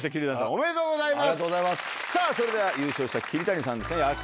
おめでとうございます。